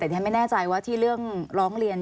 แต่ฉันไม่แน่ใจว่าที่เรื่องร้องเรียน